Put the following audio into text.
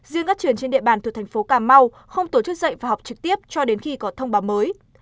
riêng các trường trên địa bàn thuộc thành phố cà mau không tổ chức dạy và học trực tiếp cho đến khi có thông báo mới